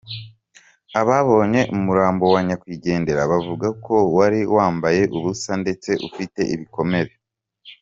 Ababonye umurambo wa nyakwigendera bavuga ko wari wambaye ubusa ndetse ufite ibikomere.